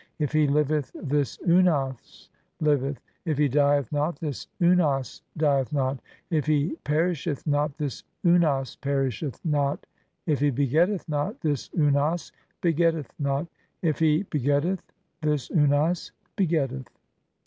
If "he liveth this Unas liveth ; if he dieth not, this Unas "dieth not ; if he perisheth not, this Unas perisheth not ; "if he begetteth not, this Unas begetteth not ; if he be "getteth, this Unas begetteth."